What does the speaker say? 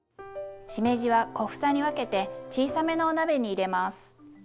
しめじは小房に分けて小さめのお鍋に入れます。